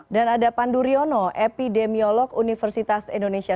dan ada pandu riono epidemiolog universitas indonesia